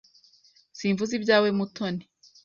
Simvuze ibyawe, Mutoni.